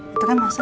itu kan mas al